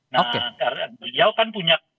nah beliau kan punya